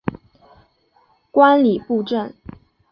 观礼部政。